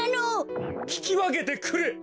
ききわけてくれ！